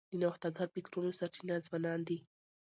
د نوښتګر فکرونو سرچینه ځوانان دي.